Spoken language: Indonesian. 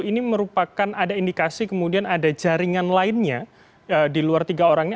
ini merupakan ada indikasi kemudian ada jaringan lainnya di luar tiga orang ini